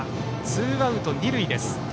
ツーアウト、二塁です。